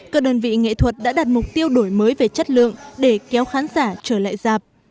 các đơn vị nghệ thuật đã đặt mục tiêu đổi mới về chất lượng để kéo khán giả trở lại dạp